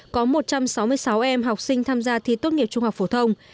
có một trăm sáu mươi sáu em học sinh tham gia thi tốt nghiệp trung học phổ thông